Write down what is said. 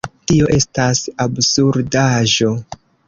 Tio estas absurdaĵo!